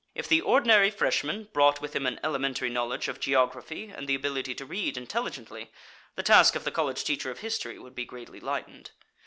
If the ordinary freshman brought with him an elementary knowledge of geography and the ability to read intelligently, the task of the college teacher of history would be greatly lightened.